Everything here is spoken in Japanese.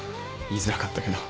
言いづらかったけど。